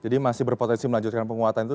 jadi masih berpotensi melanjutkan penguatan itu